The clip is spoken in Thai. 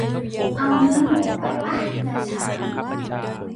เอาเนื้อหนูไปปะเนื้อช้าง